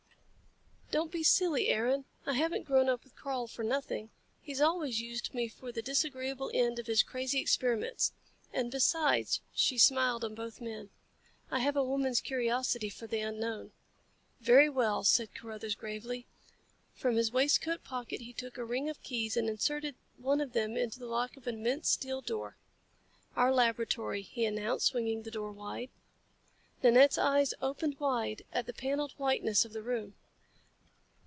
"Don't be silly, Aaron. I haven't grown up with Karl for nothing. He's always used me for the disagreeable end of his crazy experiments. And besides," she smiled on both men. "I have a woman's curiosity for the unknown." "Very well," said Carruthers gravely. From his waistcoat pocket he took a ring of keys and inserted one of them into the lock of an immense steel door. "Our laboratory," he announced, swinging the door wide. Nanette's eyes opened wide at the paneled whiteness of the room.